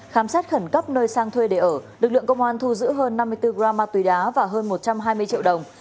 khám xét khẩn cấp nơi sang thuê để ở lực lượng công an thu giữ hơn năm mươi bốn gram ma túy đá và hơn một trăm hai mươi triệu đồng